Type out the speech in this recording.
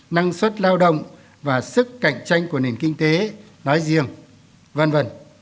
năng suất lao động và sức cạnh tranh của nền kinh tế nói riêng v v